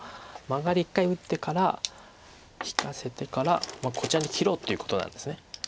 マガリ一回打ってから引かせてからこちらに切ろうということなんです。